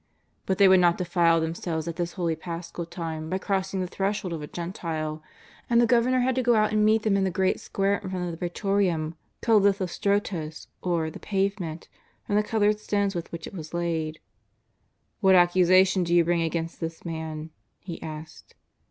But they would not defile themselves at this holy Paschal time by crossing the threshold of a Gentile, and the Governor had to go out and meet them in the great square in front of the Prsetorium, called Lithostrotos, or the Pavement, from the coloured stones with which it was laid. " What accusation do you bring against this Man ?*' he asked.